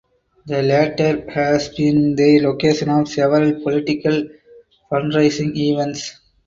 The latter has been the location of several political fundraising events.